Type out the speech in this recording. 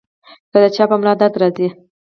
کۀ د چا پۀ ملا درد راځي -